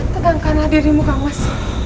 tegangkanlah dirimu kang mas